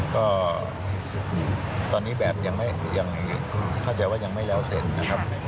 ก็ตอนนี้แบบยังเข้าใจว่ายังไม่แล้วเสร็จนะครับ